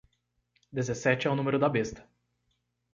Dezessete é o número da besta